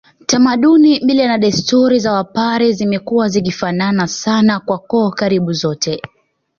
Tamaduni mila na desturi za wapare zimekuwa zikifanana sana kwa koo karibu zote